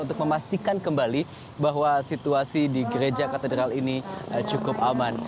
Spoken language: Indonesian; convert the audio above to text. untuk memastikan kembali bahwa situasi di gereja katedral ini cukup aman